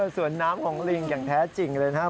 ส่วนน้ำของลิงอย่างแท้จริงเลยนะครับ